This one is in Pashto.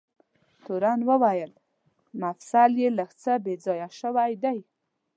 تورن وویل: مفصل یې لږ څه بې ځایه شوی دی.